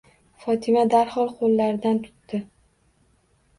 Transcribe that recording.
Fotima darhol qo'llaridan tutdi.